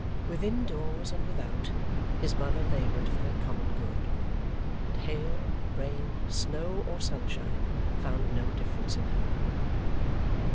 Within doors and without, his mother laboured for their common good; and hail, rain, snow, or sunshine, found no difference in her.